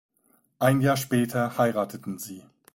Ein Jahr später heirateten sie.